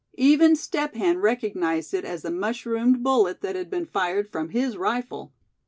Even Step Hen recognized it as the mushroomed bullet that had been fired from his rifle.